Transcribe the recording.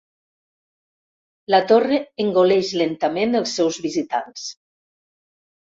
La torre engoleix lentament els seus visitants.